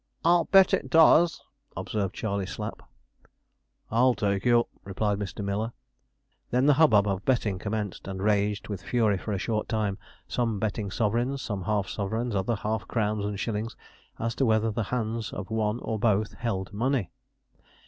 'I'll bet it does,' observed Charley Slapp. 'I'll take you,' replied Mr. Miller. Then the hubbub of betting commenced, and raged with fury for a short time; some betting sovereigns, some half sovereigns, other half crowns and shillings, as to whether the hands of one or both held money.